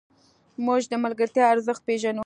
موږ د ملګرتیا ارزښت پېژنو.